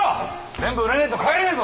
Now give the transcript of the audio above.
全部売れねえと帰れねえぞ。